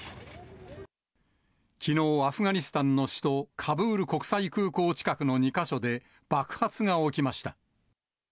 きのう、アフガニスタンの首都カブール国際空港近くの２か所で、爆発が起きました。